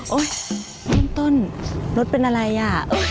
โอ๊ยต้นรถเป็นอะไรอ่ะ